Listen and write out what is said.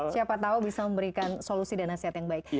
siapa tahu bisa memberikan solusi dan nasihat yang baik